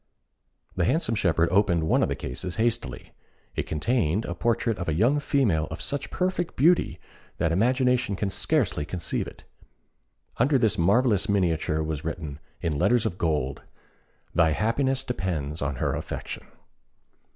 The handsome shepherd opened one of the cases hastily. It contained the portrait of a young female of such perfect beauty, that imagination can scarcely conceive it. Under this marvellous miniature was written, in letters of gold "Thy happiness depends on her affection."